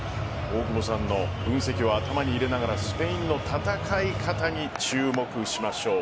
大久保さんの分析を頭に入れながらスペインの戦い方に注目しましょう。